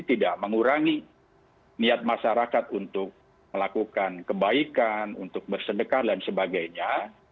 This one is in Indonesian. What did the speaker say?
tidak mengurangi niat masyarakat untuk melakukan kebaikan untuk bersedekah dan sebagainya